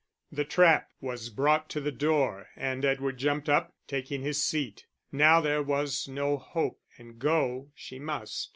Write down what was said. The trap was brought to the door, and Edward jumped up, taking his seat. Now there was no hope, and go she must.